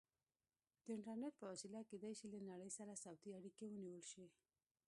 د انټرنیټ په وسیله کیدای شي له نړۍ سره صوتي اړیکې ونیول شي.